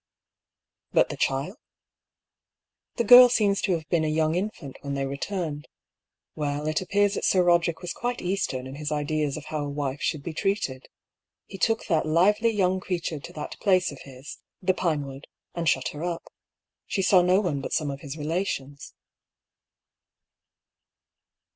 « But the child ?"" The girl seems to have been a young infant when they returned. Well, it appears that Sir Roderick was quite Eastern in his ideas of how a wife should be treated. He took that lively young creature to that place of his, the Pinewood, and shut her up. She saw no one but some of his relations."